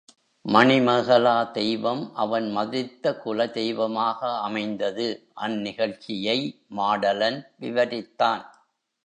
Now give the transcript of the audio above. மணிமேகலா தெய்வம் அவன் மதித்த குலதெய்வமாக அமைந்தது அந்நிகழ்ச்சியை மாடலன் விவரித்தான்.